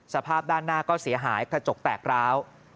สภาพด้านหน้าก็เสียหายกระจกแตกร้าว